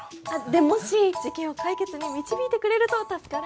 でもし事件を解決に導いてくれると助かるんですけど。